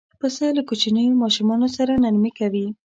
پسه له کوچنیو ماشومانو سره نرمي کوي.